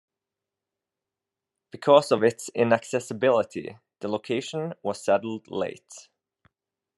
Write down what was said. Because of its inaccessibility, the location was settled late.